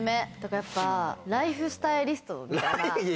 やっぱライフスタイリストみたいな。